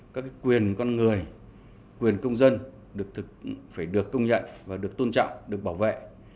các quyền con người quyền công dân được công nhận và được tôn trọng được bảo vệ